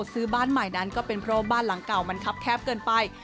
ซื้อบ้านใหม่นั้นก็เป็นเพราะว่าบ้านหลังเก่ามันครับแคบเกินไป